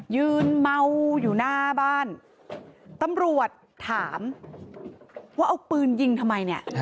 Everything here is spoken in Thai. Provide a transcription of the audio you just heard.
ยืนเมาอยู่หน้าบ้านตำรวจถามว่าเอาปืนยิงทำไมเนี่ย